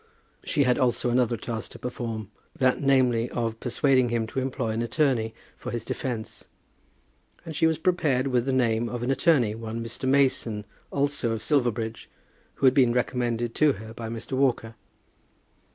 She had also another task to perform that, namely, of persuading him to employ an attorney for his defence; and she was prepared with the name of an attorney, one Mr. Mason, also of Silverbridge, who had been recommended to her by Mr. Walker.